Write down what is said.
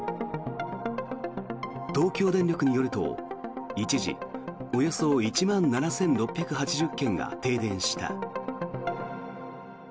東京電力によると一時およそ１万７６８０軒が停電した。